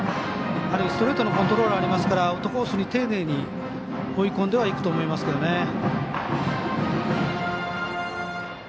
ある意味、ストレートのコントロールはありますからアウトコースに丁寧に放り込んでいくと思いますけどね。